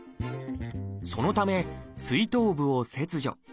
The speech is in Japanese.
そのためすい頭部を切除。